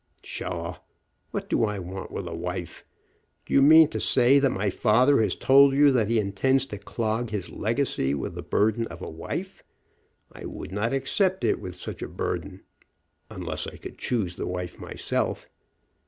"Pshaw! What do I want with a wife? Do you mean to say that my father has told you that he intends to clog his legacy with the burden of a wife? I would not accept it with such a burden, unless I could choose the wife myself.